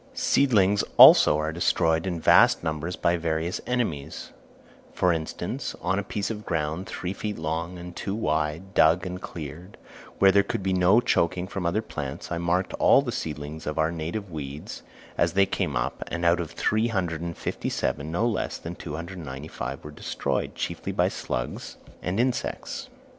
Seedlings, also, are destroyed in vast numbers by various enemies; for instance, on a piece of ground three feet long and two wide, dug and cleared, and where there could be no choking from other plants, I marked all the seedlings of our native weeds as they came up, and out of 357 no less than 295 were destroyed, chiefly by slugs and insects.